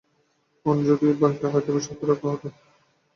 পণ যদি ভাঙতে তবে সত্যরক্ষা হত।